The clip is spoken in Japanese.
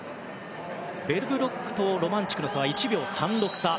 ベルブロックとロマンチュクの差は１秒３６差。